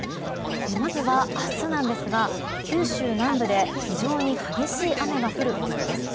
まずは明日なんですが九州南部で非常に激しい雨が降る予想です。